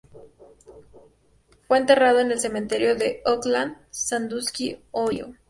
Fue enterrado en el cementerio de Oakland, Sandusky, Ohio.